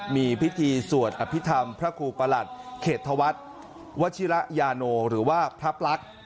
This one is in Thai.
มีพิธีสวดอภิษฐรรมพระครูประหลัดเขตธวัฒน์วชิระยาโนหรือว่าพระปลั๊ก